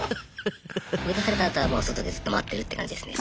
追い出されたあとはもう外でずっと待ってるって感じですね。